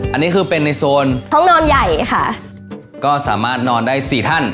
อันนี้คือเป็นในโซนห้องนอนใหญ่ค่ะก็สามารถนอนได้สี่ท่าน